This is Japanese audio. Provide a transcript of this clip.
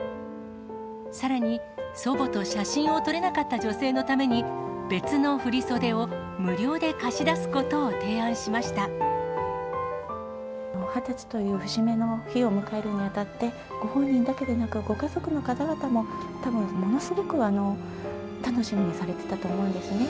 さらに、祖母と写真を撮れなかった女性のために、別の振り袖を無料で貸し２０歳という節目の日を迎えるにあたって、ご本人だけでなく、ご家族の方々もたぶん、ものすごく楽しみにされてたと思うんですね。